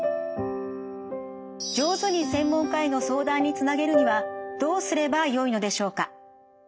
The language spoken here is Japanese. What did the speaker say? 上手に専門家への相談につなげるにはどうすればよいのでしょうか？